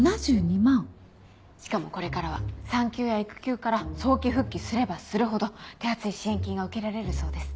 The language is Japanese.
しかもこれからは産休や育休から早期復帰すればするほど手厚い支援金が受けられるそうです。